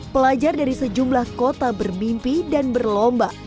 pelajar dari sejumlah kota bermimpi dan berlomba